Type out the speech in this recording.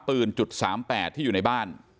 ปืนจุดสามแปดที่อยู่ในบ้าน